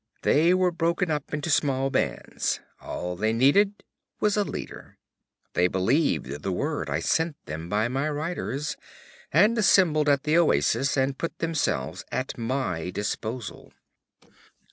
They were broken up into small bands; all they needed was a leader. They believed the word I sent them by my riders, and assembled at the oasis and put themselves at my disposal.'